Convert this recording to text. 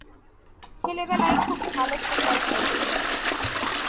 ছেলেবেলায় খুব ভাল ফুটবল খেলতেন।